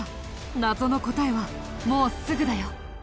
謎の答えはもうすぐだよ。